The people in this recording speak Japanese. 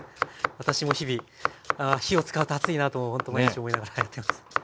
私も日々火を使うと暑いなとほんと毎日思いながらやってます。